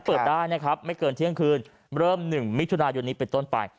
เปิดได้นะครับไม่เกินเที่ยงคืนเริ่ม๑มิถุนายนนี้เป็นต้นไป